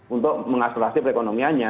untuk mengaksesasi perekonomianya